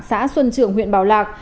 xã xuân trường huyện bảo lạc